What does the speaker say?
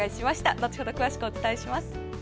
後程詳しくお伝えします。